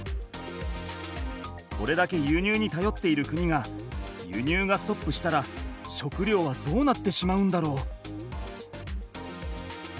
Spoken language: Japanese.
これだけ輸入にたよっている国が輸入がストップしたら食料はどうなってしまうんだろう？